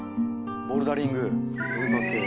ボルダリング。